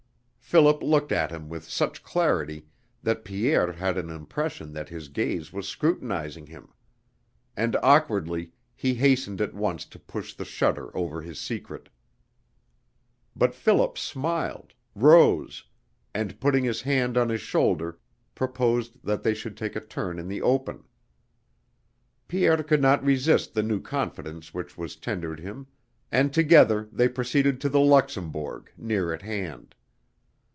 Philip looked at him with such clarity that Pierre had an impression that this gaze was scrutinizing him; and awkwardly he hastened at once to push the shutter over his secret. But Philip smiled, rose, and putting his hand on his shoulder proposed that they should take a turn in the open. Pierre could not resist the new confidence which was tendered him and together they proceeded to the Luxembourg near at hand.